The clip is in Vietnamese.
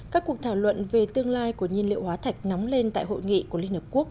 các cuộc thảo luận về tương lai của nhiên liệu hóa thạch nóng lên tại hội nghị của liên hợp quốc